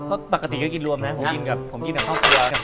ก็ปกติก็กินรวมนะผมกินกับข้าวเครือ